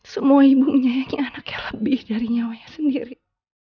semua ibu menyayangi anaknya lebih dari nyawanya sendiri